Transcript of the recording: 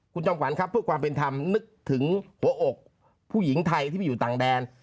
คุณจอมขวัญครับเพื่อความเป็นธรรมนึกถึงหัวอกผู้หญิงไทยที่ไปอยู่ต่างแดน